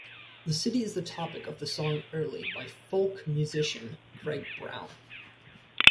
The city is the topic of the song "Early", by folk musician Greg Brown.